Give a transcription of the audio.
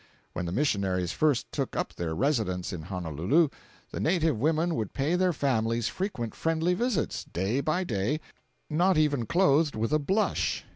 When the missionaries first took up their residence in Honolulu, the native women would pay their families frequent friendly visits, day by day, not even clothed with a blush.